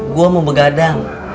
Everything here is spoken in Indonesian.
gue mau begadang